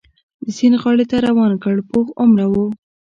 د سیند غاړې ته روان کړ، پوخ عمره و.